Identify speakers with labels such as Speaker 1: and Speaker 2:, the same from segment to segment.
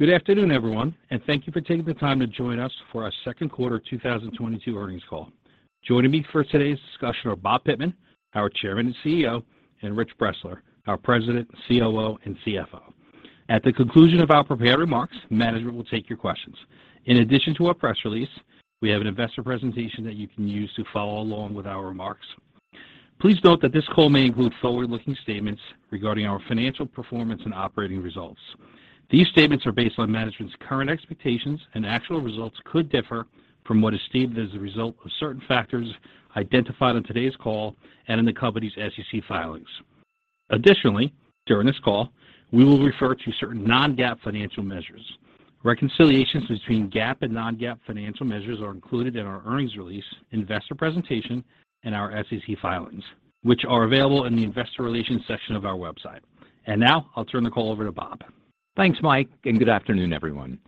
Speaker 1: Good afternoon, everyone, and thank you for taking the time to join us for our second quarter 2022 earnings call. Joining me for today's discussion are Bob Pittman, our Chairman and CEO, and Rich Bressler, our President, COO, and CFO. At the conclusion of our prepared remarks, management will take your questions. In addition to our press release, we have an investor presentation that you can use to follow along with our remarks. Please note that this call may include forward-looking statements regarding our financial performance and operating results. These statements are based on management's current expectations, and actual results could differ from what is stated as a result of certain factors identified on today's call and in the company's SEC filings. Additionally, during this call, we will refer to certain non-GAAP financial measures. Reconciliations between GAAP and non-GAAP financial measures are included in our earnings release, investor presentation, and our SEC filings, which are available in the investor relations section of our website. Now I'll turn the call over to Bob.
Speaker 2: Thanks, Mike, and good afternoon, everyone.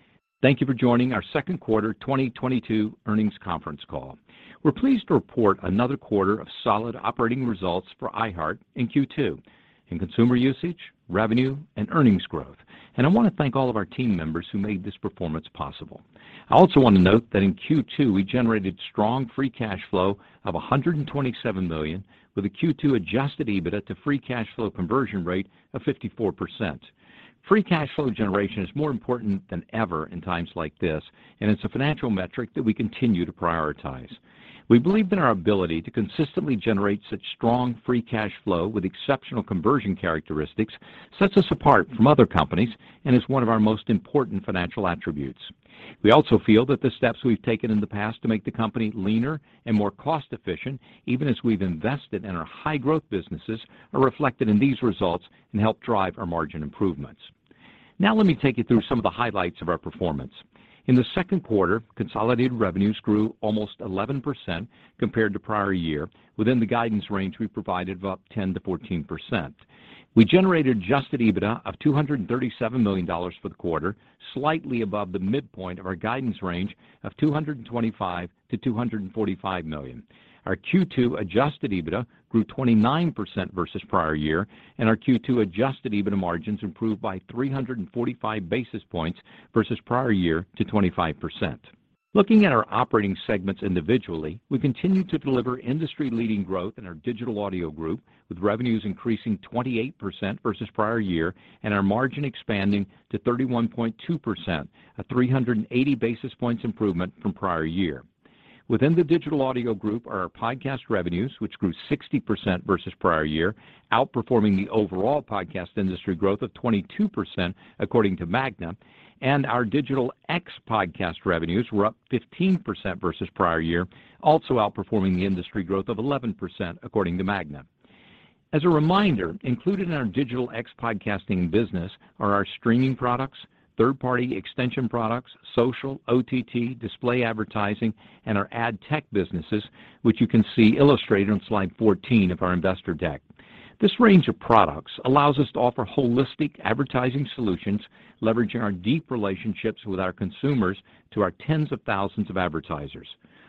Speaker 2: Thank you for joining our second quarter 2022 earnings conference call. We're pleased to report another quarter of solid operating results for iHeart in Q2 in consumer usage, revenue, and earnings growth. I wanna thank all of our team members who made this performance possible. I also want to note that in Q2, we generated strong free cash flow of $127 million, with a Q2 adjusted EBITDA to free cash flow conversion rate of 54%. Free cash flow generation is more important than ever in times like this, and it's a financial metric that we continue to prioritize. We believe that our ability to consistently generate such strong free cash flow with exceptional conversion characteristics sets us apart from other companies and is one of our most important financial attributes. We also feel that the steps we've taken in the past to make the company leaner and more cost-efficient, even as we've invested in our high-growth businesses, are reflected in these results and help drive our margin improvements. Now let me take you through some of the highlights of our performance. In the second quarter, consolidated revenues grew almost 11% compared to prior year, within the guidance range we provided of up 10%-14%. We generated adjusted EBITDA of $237 million for the quarter, slightly above the midpoint of our guidance range of $225 million-$245 million. Our Q2 adjusted EBITDA grew 29% versus prior year, and our Q2 adjusted EBITDA margins improved by 345 basis points versus prior year to 25%. Looking at our operating segments individually, we continued to deliver industry-leading growth in our Digital Audio Group, with revenues increasing 28% versus prior year and our margin expanding to 31.2%, a 380 basis points improvement from prior year. Within the Digital Audio Group are our podcast revenues, which grew 60% versus prior year, outperforming the overall podcast industry growth of 22%, according to Magna. Our Digital Ex-Podcast revenues were up 15% versus prior year, also outperforming the industry growth of 11%, according to Magna. As a reminder, included in our Digital Ex-Podcasting business are our streaming products, third-party extension products, social, OTT, display advertising, and our ad tech businesses, which you can see illustrated on slide 14 of our investor deck. This range of products allows us to offer holistic advertising solutions, leveraging our deep relationships with our consumers to our tens of thousands of advertisers.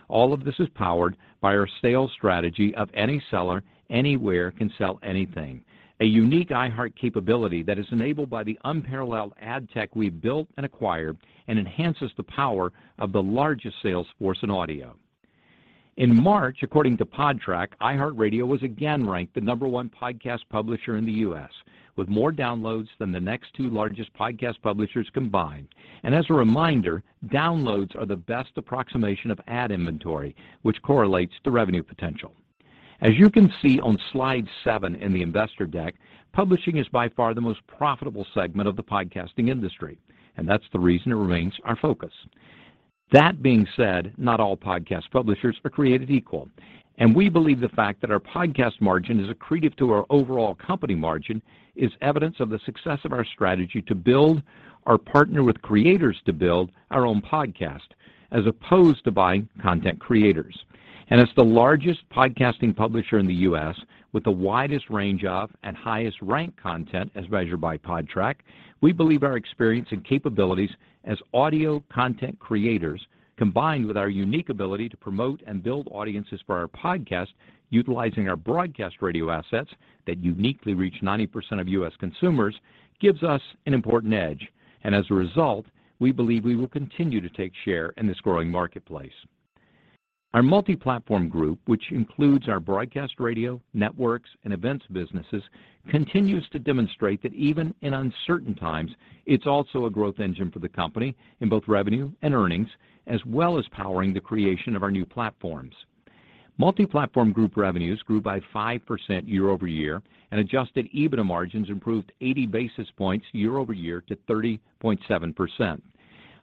Speaker 2: All of this is powered by our sales strategy of any seller, anywhere, can sell anything, a unique iHeart capability that is enabled by the unparalleled ad tech we've built and acquired and enhances the power of the largest sales force in audio. In March, according to Podtrac, iHeartRadio was again ranked the number one podcast publisher in the U.S., with more downloads than the next two largest podcast publishers combined. As a reminder, downloads are the best approximation of ad inventory, which correlates to revenue potential. As you can see on slide seven in the investor deck, publishing is by far the most profitable segment of the podcasting industry, and that's the reason it remains our focus. That being said, not all podcast publishers are created equal, and we believe the fact that our podcast margin is accretive to our overall company margin is evidence of the success of our strategy to build or partner with creators to build our own podcast, as opposed to buying content creators. As the largest podcasting publisher in the U.S. with the widest range of and highest-ranked content as measured by Podtrac, we believe our experience and capabilities as audio content creators, combined with our unique ability to promote and build audiences for our podcasts utilizing our broadcast radio assets that uniquely reach 90% of U.S. consumers, gives us an important edge. As a result, we believe we will continue to take share in this growing marketplace. Our Multiplatform Group, which includes our broadcast radio, networks, and events businesses, continues to demonstrate that even in uncertain times, it's also a growth engine for the company in both revenue and earnings, as well as powering the creation of our new platforms. Multiplatform Group revenues grew by 5% year-over-year, and adjusted EBITDA margins improved 80 basis points year-over-year to 30.7%.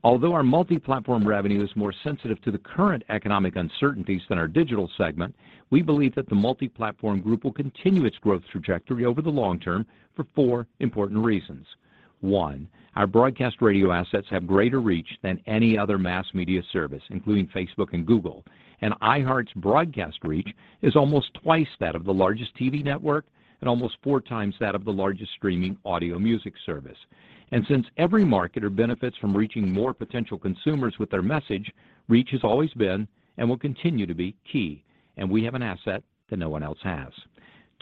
Speaker 2: Although our Multiplatform revenue is more sensitive to the current economic uncertainties than our Digital segment, we believe that the Multiplatform Group will continue its growth trajectory over the long term for four important reasons. One, our broadcast radio assets have greater reach than any other mass media service, including Facebook and Google. iHeart's broadcast reach is almost twice that of the largest TV network and almost 4x that of the largest streaming audio music service. Since every marketer benefits from reaching more potential consumers with their message, reach has always been and will continue to be key, and we have an asset that no one else has.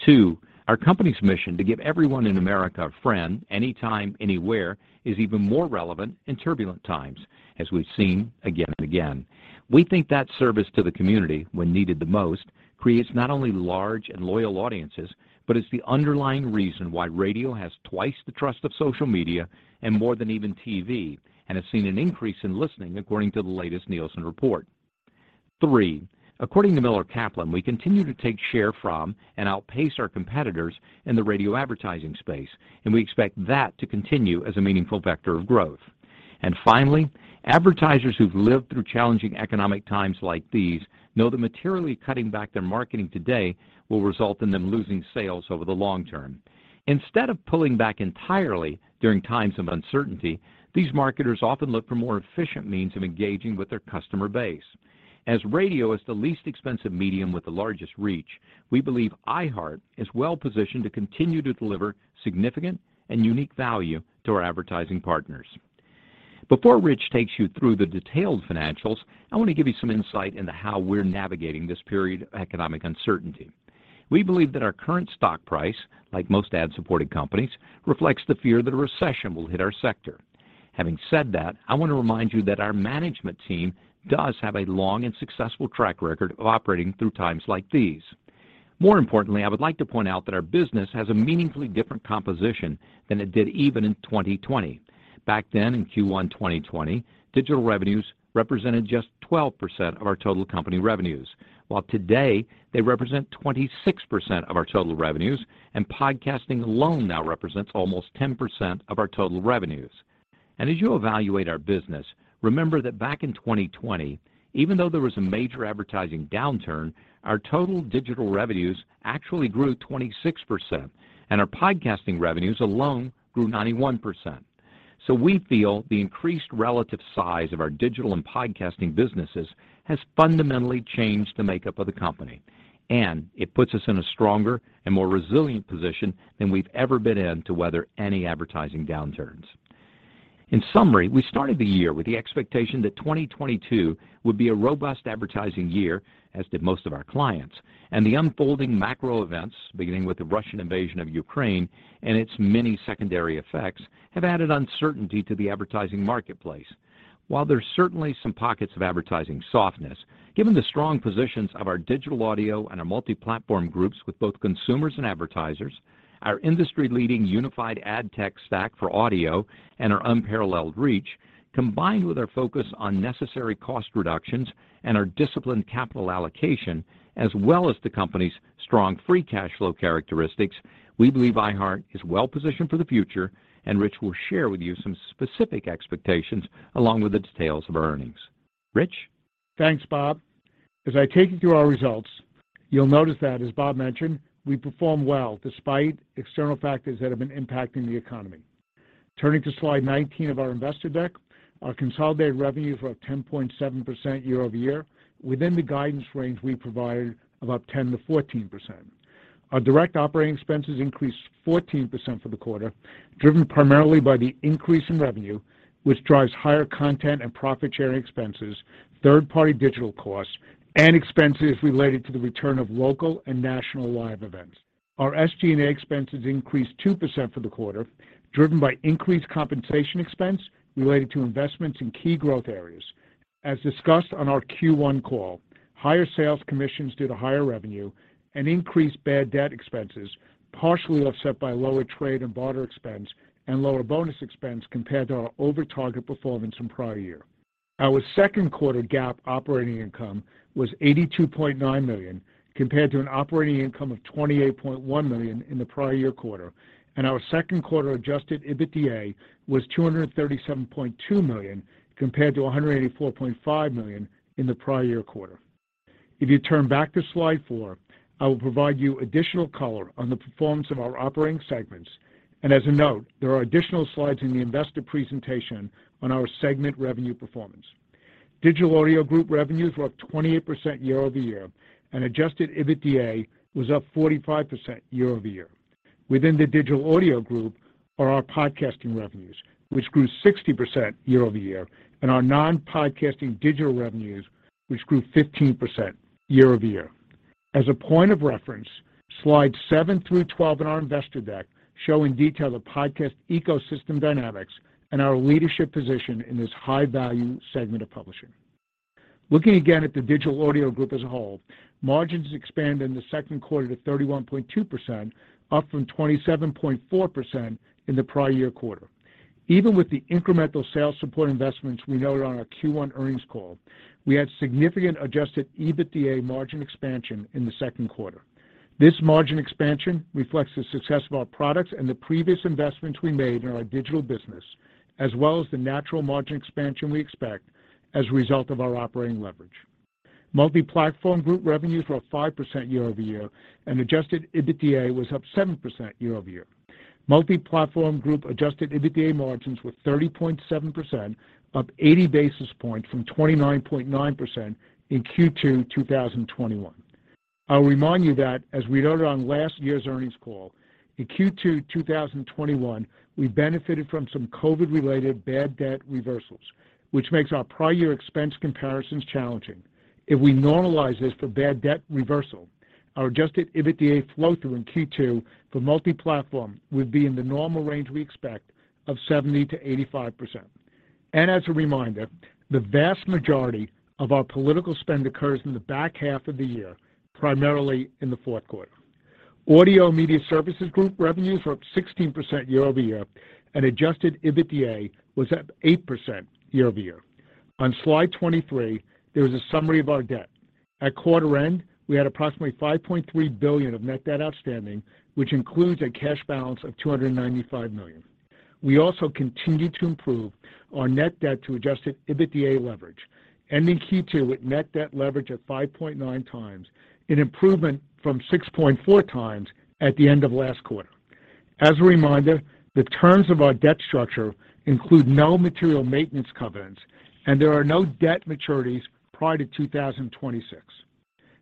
Speaker 2: Two, our company's mission to give everyone in America a friend anytime, anywhere is even more relevant in turbulent times, as we've seen again and again. We think that service to the community when needed the most creates not only large and loyal audiences, but is the underlying reason why radio has twice the trust of social media and more than even TV, and has seen an increase in listening according to the latest Nielsen report. Three, according to Miller Kaplan, we continue to take share from and outpace our competitors in the radio advertising space, and we expect that to continue as a meaningful vector of growth. Finally, advertisers who've lived through challenging economic times like these know that materially cutting back their marketing today will result in them losing sales over the long term. Instead of pulling back entirely during times of uncertainty, these marketers often look for more efficient means of engaging with their customer base. As radio is the least expensive medium with the largest reach, we believe iHeart is well positioned to continue to deliver significant and unique value to our advertising partners. Before Rich takes you through the detailed financials, I want to give you some insight into how we're navigating this period of economic uncertainty. We believe that our current stock price, like most ad-supported companies, reflects the fear that a recession will hit our sector. Having said that, I want to remind you that our management team does have a long and successful track record of operating through times like these. More importantly, I would like to point out that our business has a meaningfully different composition than it did even in 2020. Back then in Q1 2020, digital revenues represented just 12% of our total company revenues, while today they represent 26% of our total revenues, and podcasting alone now represents almost 10% of our total revenues. As you evaluate our business, remember that back in 2020, even though there was a major advertising downturn, our total digital revenues actually grew 26%, and our podcasting revenues alone grew 91%. We feel the increased relative size of our digital and podcasting businesses has fundamentally changed the makeup of the company, and it puts us in a stronger and more resilient position than we've ever been in to weather any advertising downturns. In summary, we started the year with the expectation that 2022 would be a robust advertising year, as did most of our clients, and the unfolding macro events, beginning with the Russian invasion of Ukraine and its many secondary effects, have added uncertainty to the advertising marketplace. While there's certainly some pockets of advertising softness, given the strong positions of our digital audio and our multi-platform groups with both consumers and advertisers, our industry-leading unified ad tech stack for audio and our unparalleled reach, combined with our focus on necessary cost reductions and our disciplined capital allocation, as well as the company's strong free cash flow characteristics, we believe iHeart is well positioned for the future, and Rich will share with you some specific expectations along with the details of our earnings. Rich?
Speaker 3: Thanks, Bob. As I take you through our results, you'll notice that, as Bob mentioned, we performed well despite external factors that have been impacting the economy. Turning to slide 19 of our investor deck, our consolidated revenues were up 10.7% year-over-year, within the guidance range we provided of up 10%-14%. Our direct operating expenses increased 14% for the quarter, driven primarily by the increase in revenue, which drives higher content and profit sharing expenses, third-party digital costs, and expenses related to the return of local and national live events. Our SG&A expenses increased 2% for the quarter, driven by increased compensation expense related to investments in key growth areas. As discussed on our Q1 call, higher sales commissions due to higher revenue and increased bad debt expenses partially offset by lower trade and barter expense and lower bonus expense compared to our over-target performance in prior year. Our second quarter GAAP operating income was $82.9 million compared to an operating income of $28.1 million in the prior year quarter, and our second quarter adjusted EBITDA was $237.2 million compared to $184.5 million in the prior year quarter. If you turn back to slide four, I will provide you additional color on the performance of our operating segments, and as a note, there are additional slides in the investor presentation on our segment revenue performance. Digital Audio Group revenues were up 28% year-over-year, and adjusted EBITDA was up 45% year-over-year. Within the Digital Audio Group are our podcasting revenues, which grew 60% year-over-year, and our non-podcasting digital revenues, which grew 15% year-over-year. As a point of reference, slides seven through 12 in our investor deck show in detail the podcast ecosystem dynamics and our leadership position in this high-value segment of publishing. Looking again at the Digital Audio Group as a whole, margins expanded in the second quarter to 31.2%, up from 27.4% in the prior year quarter. Even with the incremental sales support investments we noted on our Q1 earnings call, we had significant Adjusted EBITDA margin expansion in the second quarter. This margin expansion reflects the success of our products and the previous investments we made in our digital business, as well as the natural margin expansion we expect as a result of our operating leverage. Multiplatform Group revenues were up 5% year-over-year, and adjusted EBITDA was up 7% year-over-year. Multiplatform Group adjusted EBITDA margins were 30.7%, up 80 basis points from 29.9% in Q2 2021. I'll remind you that, as we noted on last year's earnings call, in Q2 2021, we benefited from some COVID-related bad debt reversals, which makes our prior year expense comparisons challenging. If we normalize this for bad debt reversal. Our adjusted EBITDA flow-through in Q2 for multiplatform would be in the normal range we expect of 70%-85%. As a reminder, the vast majority of our political spend occurs in the back half of the year, primarily in the fourth quarter. Audio & Media Services Group revenues were up 16% year-over-year, and Adjusted EBITDA was up 8% year-over-year. On slide 23, there is a summary of our debt. At quarter end, we had approximately $5.3 billion of net debt outstanding, which includes a cash balance of $295 million. We also continued to improve our net debt to adjusted EBITDA leverage, ending Q2 with net debt leverage of 5.9x, an improvement from 6.4x at the end of last quarter. As a reminder, the terms of our debt structure include no material maintenance covenants, and there are no debt maturities prior to 2026.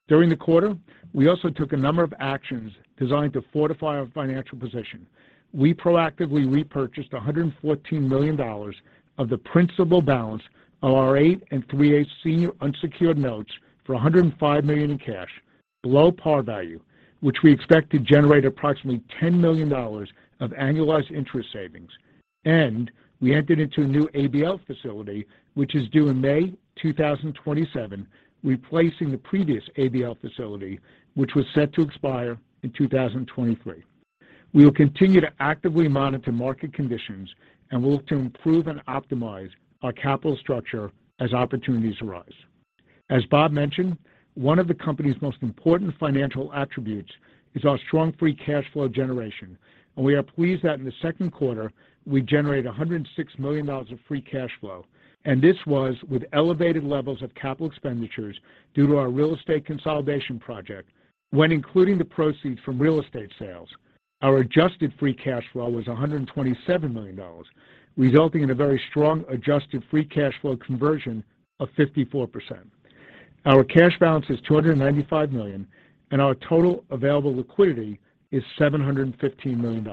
Speaker 3: During the quarter, we also took a number of actions designed to fortify our financial position. We proactively repurchased $114 million of the principal balance of our 8 3/8 senior unsecured notes for $105 million in cash below par value, which we expect to generate approximately $10 million of annualized interest savings. We entered into a new ABL facility, which is due in May 2027, replacing the previous ABL facility, which was set to expire in 2023. We will continue to actively monitor market conditions and look to improve and optimize our capital structure as opportunities arise. As Bob mentioned, one of the company's most important financial attributes is our strong free cash flow generation. We are pleased that in the second quarter, we generated $106 million of free cash flow, and this was with elevated levels of capital expenditures due to our real estate consolidation project. When including the proceeds from real estate sales, our adjusted free cash flow was $127 million, resulting in a very strong adjusted free cash flow conversion of 54%. Our cash balance is $295 million, and our total available liquidity is $715 million.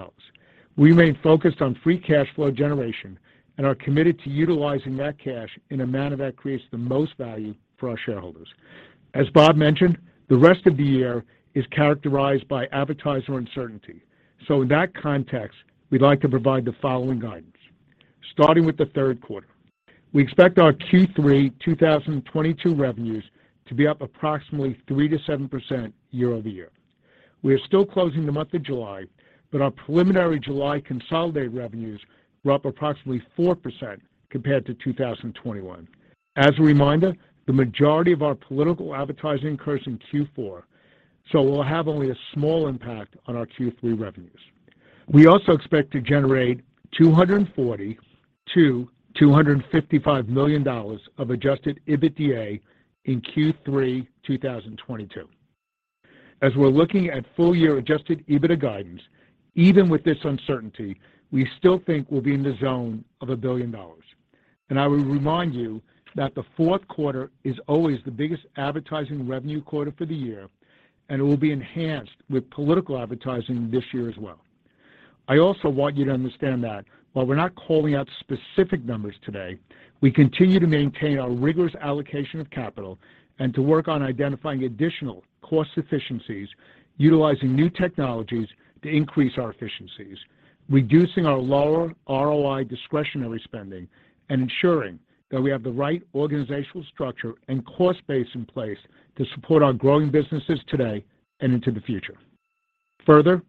Speaker 3: We remain focused on free cash flow generation and are committed to utilizing that cash in a manner that creates the most value for our shareholders. As Bob mentioned, the rest of the year is characterized by advertiser uncertainty. In that context, we'd like to provide the following guidance. Starting with the third quarter, we expect our Q3 2022 revenues to be up approximately 3%-7% year-over-year. We are still closing the month of July, but our preliminary July consolidated revenues were up approximately 4% compared to 2021. As a reminder, the majority of our political advertising occurs in Q4, so it will have only a small impact on our Q3 revenues. We also expect to generate $240 million-$255 million of adjusted EBITDA in Q3 2022. As we're looking at full year adjusted EBITDA guidance, even with this uncertainty, we still think we'll be in the zone of $1 billion. I will remind you that the fourth quarter is always the biggest advertising revenue quarter for the year, and it will be enhanced with political advertising this year as well. I also want you to understand that while we're not calling out specific numbers today, we continue to maintain our rigorous allocation of capital and to work on identifying additional cost efficiencies, utilizing new technologies to increase our efficiencies, reducing our lower ROI discretionary spending, and ensuring that we have the right organizational structure and cost base in place to support our growing businesses today and into the future. Further,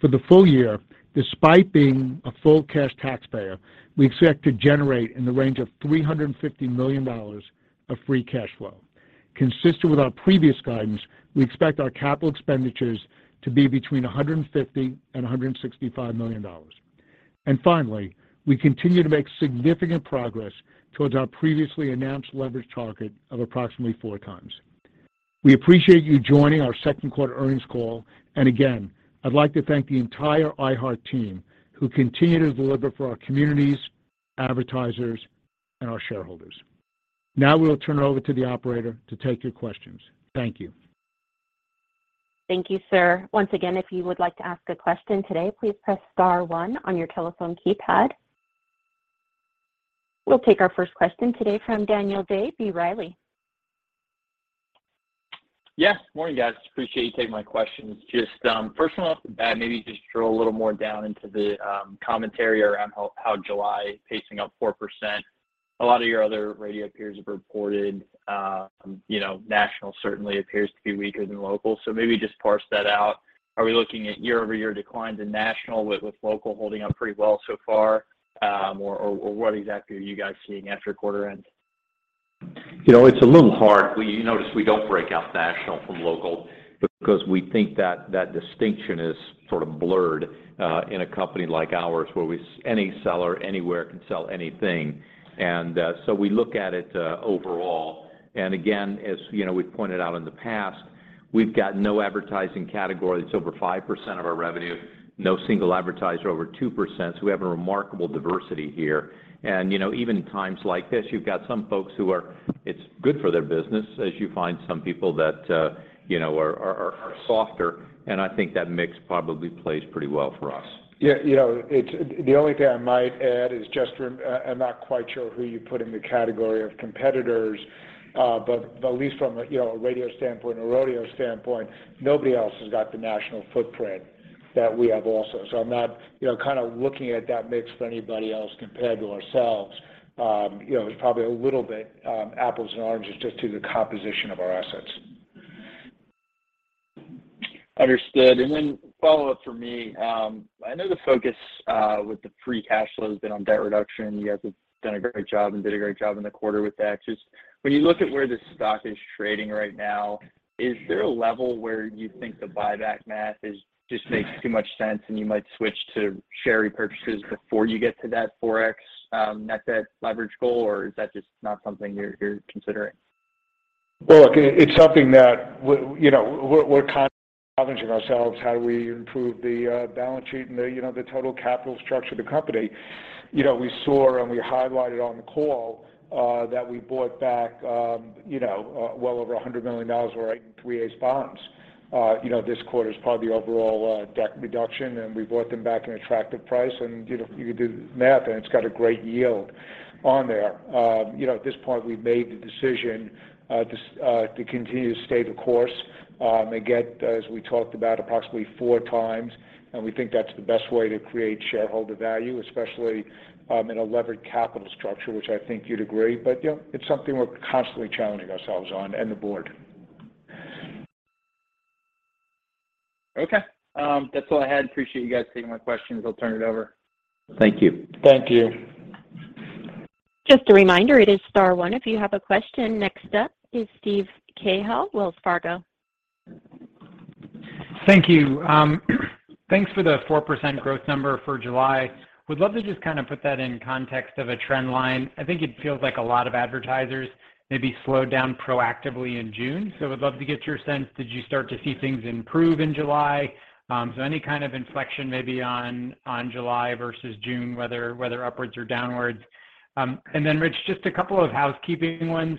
Speaker 3: for the full year, despite being a full cash taxpayer, we expect to generate in the range of $350 million of free cash flow. Consistent with our previous guidance, we expect our capital expenditures to be between $150 million and $165 million. Finally, we continue to make significant progress towards our previously announced leverage target of approximately 4x. We appreciate you joining our second quarter earnings call. Again, I'd like to thank the entire iHeart team who continue to deliver for our communities, advertisers, and our shareholders. Now, we will turn it over to the operator to take your questions. Thank you.
Speaker 4: Thank you, sir. Once again, if you would like to ask a question today, please press star one on your telephone keypad. We'll take our first question today from Daniel Day, B. Riley.
Speaker 5: Yes. Morning, guys. Appreciate you taking my questions. Just, first one off the bat, maybe just drill a little more down into the, commentary around how July pacing up 4%. A lot of your other radio peers have reported, you know, national certainly appears to be weaker than local. Maybe just parse that out. Are we looking at year-over-year declines in national with local holding up pretty well so far? Or what exactly are you guys seeing after quarter end?
Speaker 2: You know, it's a little hard. You notice we don't break out national from local because we think that distinction is sort of blurred in a company like ours, where any seller anywhere can sell anything. We look at it overall. Again, as you know, we've pointed out in the past, we've got no advertising category that's over 5% of our revenue, no single advertiser over 2%, so we have a remarkable diversity here. You know, even times like this, you've got some folks. It's good for their business, as you find some people that you know are softer. I think that mix probably plays pretty well for us.
Speaker 3: Yeah, you know, it's the only thing I might add is just I'm not quite sure who you put in the category of competitors, but at least from a, you know, a radio standpoint, nobody else has got the national footprint that we have also. So I'm not, you know, kind of looking at that mix for anybody else compared to ourselves. You know, it's probably a little bit apples and oranges just to the composition of our assets.
Speaker 5: Understood. Then follow-up for me. I know the focus with the free cash flow has been on debt reduction. You guys have done a great job and did a great job in the quarter with that. Just when you look at where the stock is trading right now, is there a level where you think the buyback math just makes too much sense and you might switch to share repurchases before you get to that 4x net debt leverage goal? Or is that just not something you're considering?
Speaker 3: Well, look, it's something that you know, we're kind of challenging ourselves how do we improve the balance sheet and the, you know, the total capital structure of the company. You know, we saw and we highlighted on the call that we bought back, you know, well over $100 million worth of 8 3/8s bonds, you know, this quarter as part of the overall debt reduction, and we bought them back at an attractive price. You know, you can do the math and it's got a great yield on there. You know, at this point, we've made the decision to continue to stay the course, and get, as we talked about approximately 4x, and we think that's the best way to create shareholder value, especially in a levered capital structure, which I think you'd agree. You know, it's something we're constantly challenging ourselves on and the board.
Speaker 5: Okay. That's all I had. Appreciate you guys taking my questions. I'll turn it over.
Speaker 3: Thank you.
Speaker 2: Thank you.
Speaker 4: Just a reminder, it is star one if you have a question. Next up is Steve Cahall, Wells Fargo.
Speaker 6: Thank you. Thanks for the 4% growth number for July. Would love to just kind of put that in context of a trend line. I think it feels like a lot of advertisers maybe slowed down proactively in June, so would love to get your sense. Did you start to see things improve in July? Any kind of inflection maybe on July versus June, whether upwards or downwards. Then Rich, just a couple of housekeeping ones.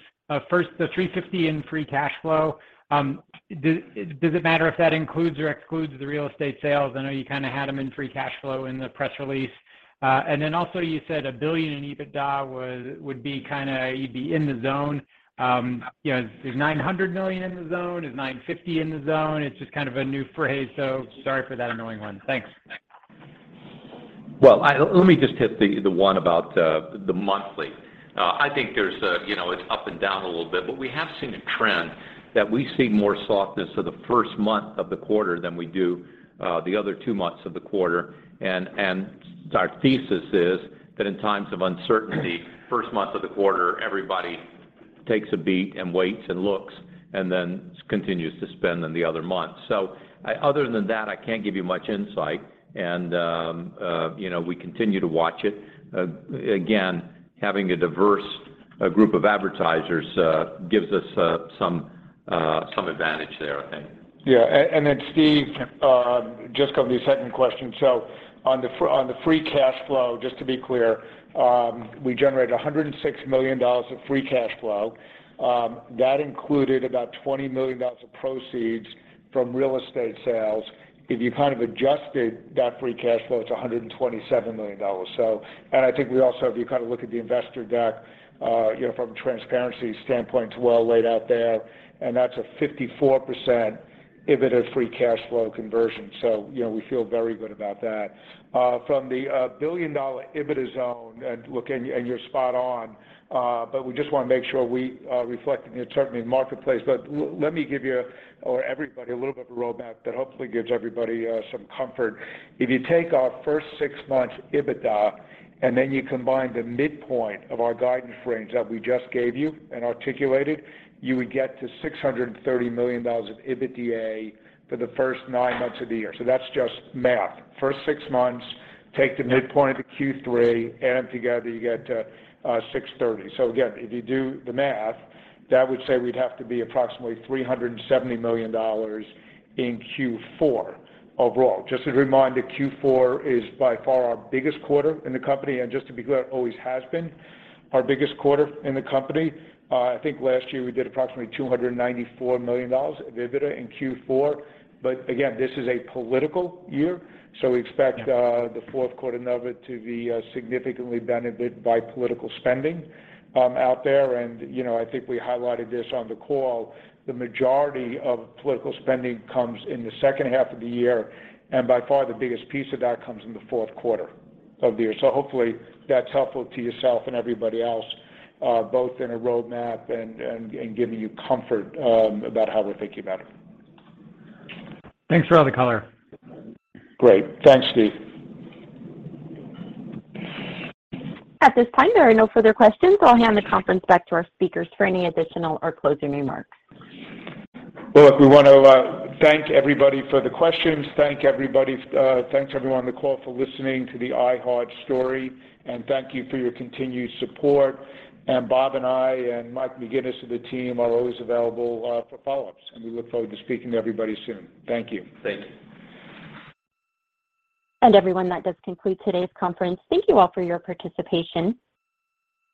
Speaker 6: First, the $350 million in free cash flow, does it matter if that includes or excludes the real estate sales? I know you kind of had them in free cash flow in the press release. And then also you said $1 billion in EBITDA would be kinda, you'd be in the zone. You know, is $900 million in the zone? Is $9.50 in the zone? It's just kind of a new phrase, so sorry for that annoying one. Thanks.
Speaker 2: Well, let me just hit the one about the monthly. I think there's a, you know, it's up and down a little bit, but we have seen a trend that we see more softness of the first month of the quarter than we do the other two months of the quarter. Our thesis is that in times of uncertainty, first month of the quarter, everybody takes a beat and waits and looks and then continues to spend in the other months. Other than that, I can't give you much insight and, you know, we continue to watch it. Again, having a diverse group of advertisers gives us some advantage there, I think.
Speaker 3: Yeah. Steve, just covering your second question. On the free cash flow, just to be clear, we generated $106 million of free cash flow. That included about $20 million of proceeds from real estate sales. If you kind of adjusted that free cash flow, it's $127 million. I think we also, if you kind of look at the investor deck, you know, from a transparency standpoint, it's well laid out there, and that's a 54% EBITDA free cash flow conversion. You know, we feel very good about that. From the billion-dollar EBITDA zone and look, you're spot on, but we just wanna make sure we reflect, you know, the current marketplace. Let me give you or everybody a little bit of a roadmap that hopefully gives everybody some comfort. If you take our first six months EBITDA, and then you combine the midpoint of our guidance range that we just gave you and articulated, you would get to $630 million of EBITDA for the first nine months of the year. That's just math. First six months, take the midpoint of Q3, add them together, you get $630 million. Again, if you do the math, that would say we'd have to be approximately $370 million in Q4 overall. Just a reminder, Q4 is by far our biggest quarter in the company and just to be clear, it always has been our biggest quarter in the company. I think last year we did approximately $294 million of EBITDA in Q4. Again, this is a political year, so we expect the fourth quarter of it to be significantly benefited by political spending out there. You know, I think we highlighted this on the call. The majority of political spending comes in the second half of the year, and by far the biggest piece of that comes in the fourth quarter of the year. Hopefully that's helpful to yourself and everybody else, both in a roadmap and giving you comfort about how we're thinking about it.
Speaker 6: Thanks for all the color.
Speaker 3: Great. Thanks, Steve.
Speaker 4: At this time, there are no further questions. I'll hand the conference back to our speakers for any additional or closing remarks.
Speaker 3: Well, look, we wanna thank everybody for the questions. Thanks everyone on the call for listening to the iHeart story, and thank you for your continued support. Bob and I and Mike McGuinness of the team are always available for follow-ups, and we look forward to speaking to everybody soon. Thank you.
Speaker 2: Thank you.
Speaker 4: Everyone, that does conclude today's conference. Thank you all for your participation.